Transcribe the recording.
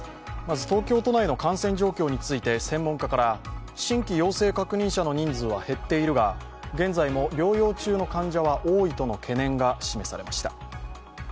東京都内の感染状況について専門家から新規陽性確認者の人数は減っているが現在も療養中の患者は多いとの懸念が示されました。